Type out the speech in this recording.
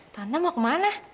tante mau kemana